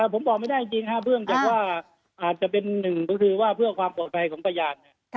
ผมบอกไม่ได้จริงเบื้องจากว่าอาจจะเป็นหนึ่งก็คือว่าเพื่อความปลอดภัยของพยาน